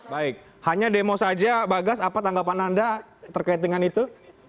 baik hanya demo saja bagas apa tanggapan anda terkait dengan itu